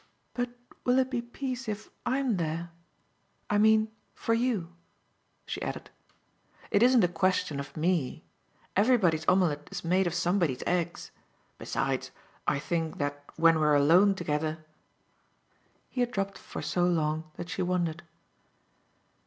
"But will it be peace if I'm there? I mean for YOU," she added. "It isn't a question of 'me.' Everybody's omelet is made of somebody's eggs. Besides, I think that when we're alone together !" He had dropped for so long that she wondered.